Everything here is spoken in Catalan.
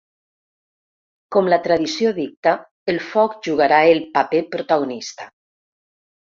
Com la tradició dicta, el foc jugarà el paper protagonista.